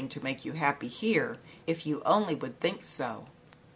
95 you happy here, if you only would think so."